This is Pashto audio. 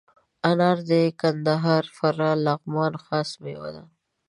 انار د کندهار، فراه، لغمان خاص میوه ده.